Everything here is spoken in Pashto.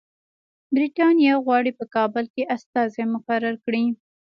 برټانیه غواړي په کابل استازی مقرر کړي.